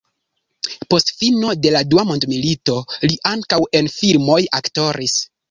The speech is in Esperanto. Post fino de la dua mondmilito li ankaŭ en filmoj aktoris.